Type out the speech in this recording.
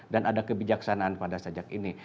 dan ada kebijaksanaan pada sajak ini